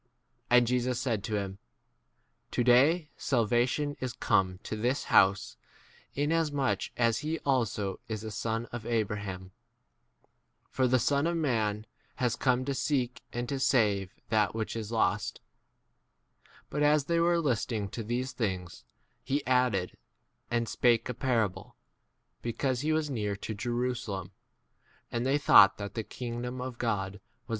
9 And Jesus said to him, To day salvation is come to this house, inasmuch as he also is a son of 10 Abraham ; for the Son of man has come to seek and to save that which is lost. 11 But as they were listening to these things, he added and spake a parable, because he was near to Jerusalem, and they thought that the kingdom of God was about to w outos, 'this [man];* we should say 4 the man/ * T.